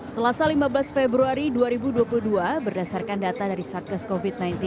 selasa lima belas februari dua ribu dua puluh dua berdasarkan data dari satgas covid sembilan belas